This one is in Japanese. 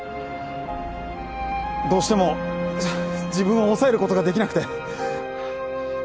どうしても自分を抑える事ができなくて。